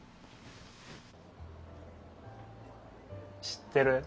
知ってる？